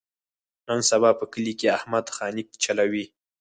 نن سبا په کلي کې احمد خاني چولي.